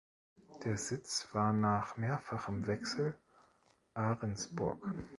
Der Sitz war nach mehrfachem Wechsel Arensburg.